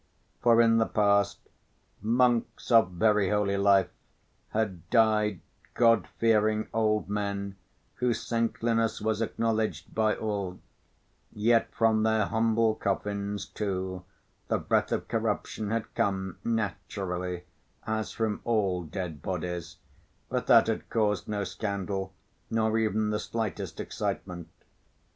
For in the past, monks of very holy life had died, God‐fearing old men, whose saintliness was acknowledged by all, yet from their humble coffins, too, the breath of corruption had come, naturally, as from all dead bodies, but that had caused no scandal nor even the slightest excitement.